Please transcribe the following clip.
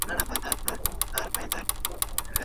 واقعیتونه باید د علت پر بنسټ تشریح سي.